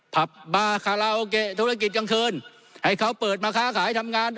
ผับบาคาราโอเกะธุรกิจกลางคืนให้เขาเปิดมาค้าขายทำงาน